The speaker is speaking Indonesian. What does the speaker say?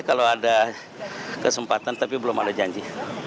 kalau ada kesempatan tapi belum ada janji